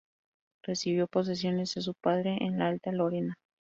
Recibió posesiones de su padre en la Alta Lorena.